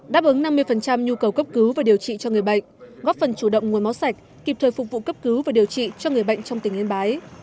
đáp ứng năm mươi nhu cầu cấp cứu và điều trị cho người bệnh góp phần chủ động nguồn máu sạch kịp thời phục vụ cấp cứu và điều trị cho người bệnh trong tỉnh yên bái